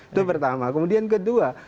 itu pertama kemudian kedua